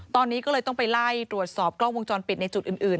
ตอนนี้ก็เลยต้องไปไล่ตรวจสอบกล้องวงจรปิดในจุดอื่น